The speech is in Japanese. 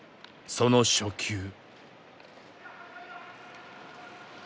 その初球。